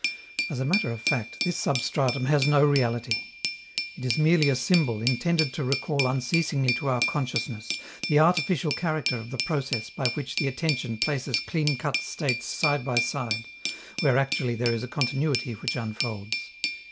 As a matter of fact, this substratum has no reality; it is merely a symbol intended to recall unceasingly to our consciousness the artificial character of the process by which the attention places clean cut states side by side, where actually there is a continuity which unfolds.